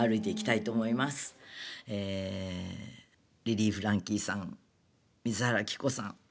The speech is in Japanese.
リリー・フランキーさん水原希子さん